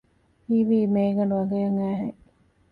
ހީވީ މޭގަނޑު އަނގަޔަށް އައިހެން